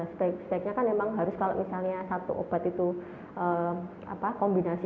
sebaik sebaiknya kan memang harus kalau misalnya satu obat itu kombinasi